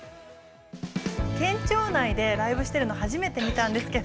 県庁内でライブしてるの初めて見たんですけど。